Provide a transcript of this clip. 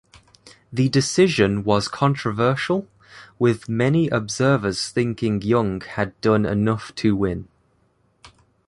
The decision was controversial, with many observers thinking Young had done enough to win.